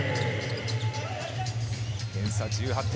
点差は１８点。